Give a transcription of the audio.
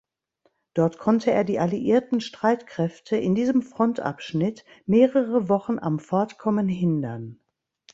Dort konnte er die alliierten Streitkräfte in diesem Frontabschnitt mehrere Wochen am Fortkommen hindern.